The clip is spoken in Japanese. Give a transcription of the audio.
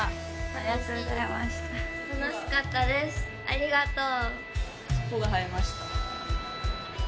ありがとう。